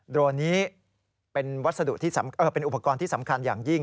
โดรนนี้เป็นอุปกรณ์ที่สำคัญอย่างยิ่ง